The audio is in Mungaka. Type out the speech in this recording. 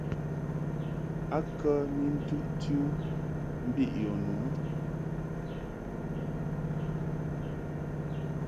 A kə ni nɨti u mbiʼ yɔ nu ?